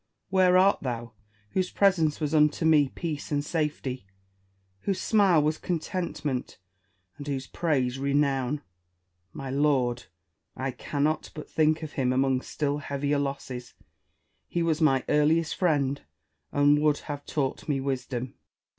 where art thou, whose presence was unto me peace and safety; whose smile was contentment, and whose praise renown 1 My lord 1 I cannot but think of him among still heavier losses ; he was my earliest friend, and would have taught me wisdom.